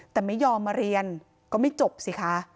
แต่ไม่ยอมมาเรียนก็ไม่จบสิคะ